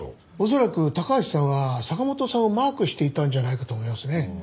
恐らく高橋さんは坂本さんをマークしていたんじゃないかと思いますね。